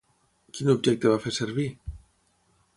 Quin objecte va fer servir?